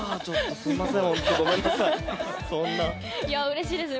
すみません。